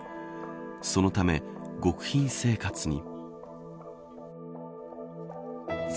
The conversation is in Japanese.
そのため極貧生活に。